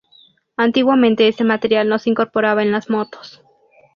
Antiguamente este material no se incorporaba en las motos.